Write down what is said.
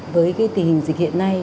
với cái tình hình dịch hiện nay